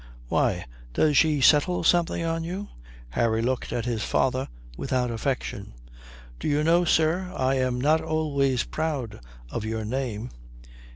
"Why, does she settle something on you?" Harry looked at his father without affection. "Do you know, sir, I am not always proud of your name."